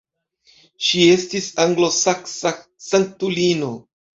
Ŝi estis anglosaksa sanktulino.